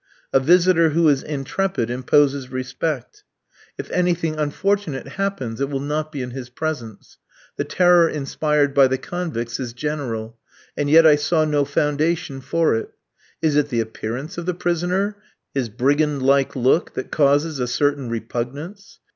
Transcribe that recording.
A visitor who is intrepid imposes respect. If anything unfortunate happens, it will not be in his presence. The terror inspired by the convicts is general, and yet I saw no foundation for it. Is it the appearance of the prisoner, his brigand like look, that causes a certain repugnance?